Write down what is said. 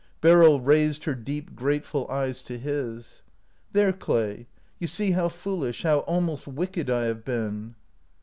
Beryl raised her deep, grateful eyes to his. "There, Clay, you see how foolish, how almost wicked I have been."